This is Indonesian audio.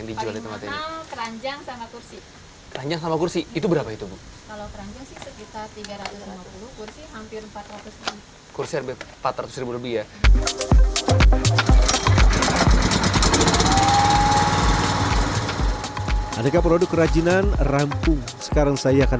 dursi dan kerajaan besar